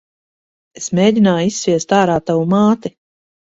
Es mēgināju izsviest ārā tavu māti.